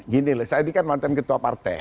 gini loh saya ini kan mantan ketua partai